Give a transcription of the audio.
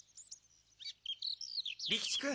利吉君！